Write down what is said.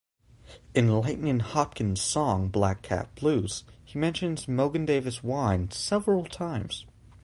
In Lightnin' Hopkins' song "Black Cat Blues" he mentions Mogen Davis Wine several times.